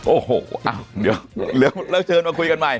โอ้โห๋เร่งเชิญมาคุยกันใหม่